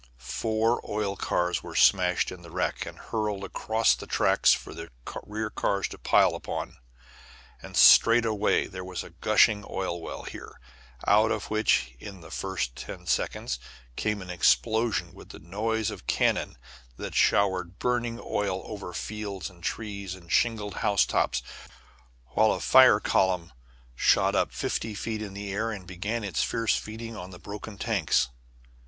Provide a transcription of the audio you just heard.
Four oil cars were smashed in the wreck and hurled across the tracks for the rear cars to pile up on. And straightway there was a gushing oil well here, out of which in the first ten seconds came an explosion with the noise of cannon, that showered burning oil over fields and trees and shingled housetops, while a fire column shot up fifty feet in the air and began its fierce feeding on the broken tanks.